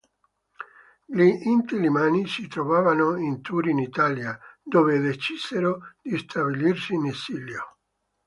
Gli Inti-Illimani si trovavano in tour in Italia, dove decisero di stabilirsi in esilio.